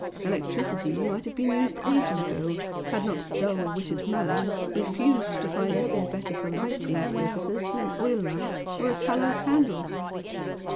Electricity might have been used ages ago, had not dull witted man refused to find anything better for lighting purposes than an oil lamp or a tallow candle!